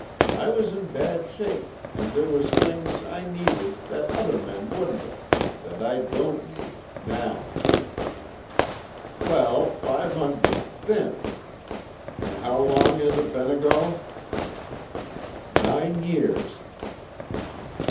"I was in bad shape and there was things I needed that other men wouldn't of that I don't need now." "Well foive hundred, thin. An' how long has ut be'n ago?" "Nine years."